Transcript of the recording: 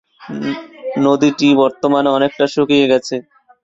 নদীটি বর্তমানে অনেকটা শুকিয়ে গেছে।